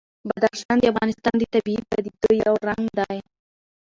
بدخشان د افغانستان د طبیعي پدیدو یو رنګ دی.